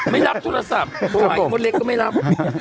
ไม่รับโทรศัพท์สายมดเล็กก็ไม่รับ